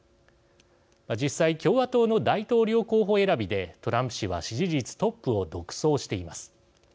実際、共和党の大統領候補選びでトランプ氏は支持率トップを独走しています。